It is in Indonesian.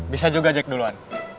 bisa juga jack duluan